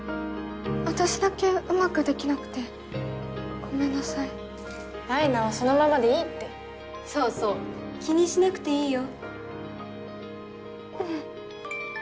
私だけうまくできなくてごめんなさい舞菜はそのままでいいってそうそう気にしなくていいよ